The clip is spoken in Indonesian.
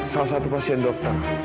salah satu pasien dokter